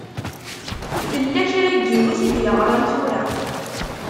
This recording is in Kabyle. Tella kra n yiwet i d-yeɣṛan tura.